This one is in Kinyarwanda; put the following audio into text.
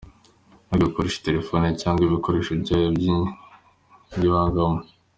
Ntugakoreshe telefone cyangwa ibikoresho byayo by’ibyiganano.